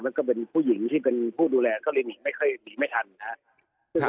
แล้วก็เป็นผู้หญิงที่เป็นผู้ดูแลก็เลยหนีไม่ค่อยหนีไม่ทันนะครับ